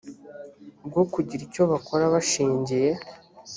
bwo kugira icyo bakora bashingiye